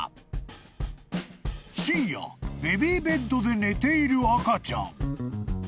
［深夜ベビーベッドで寝ている赤ちゃん］